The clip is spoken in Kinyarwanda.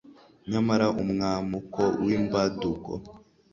nyamara umwamuko w'imbaduko